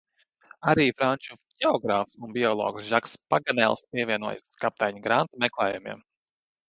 Arī franču ģeogrāfs un biologs Žaks Paganels pievienojas kapteiņa Granta meklējumiem.